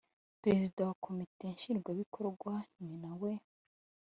perezida wa komite nshingwabikorwa ni na we